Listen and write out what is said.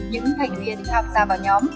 những thành viên học ra vào nhóm